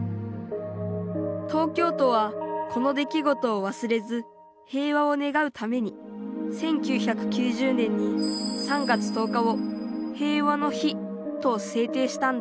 東京都はこの出来事をわすれず平和をねがうために１９９０年に３月１０日を「平和の日」と制定したんだ。